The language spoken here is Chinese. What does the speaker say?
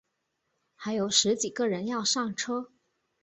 还有十几个人要上车